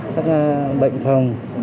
các bệnh phòng